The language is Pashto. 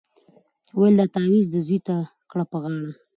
ویل دا تعویذ دي زوی ته کړه په غاړه